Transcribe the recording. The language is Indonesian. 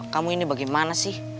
kamu ini bagaimana sih